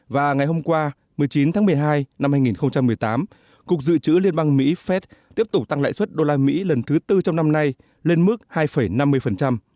và ngày hôm qua một mươi chín tháng một mươi hai năm hai nghìn một mươi tám cục dự trữ liên bang mỹ phép tiếp tục tăng lãi suất đô la mỹ lần thứ tư trong năm nay lên mức hai năm mươi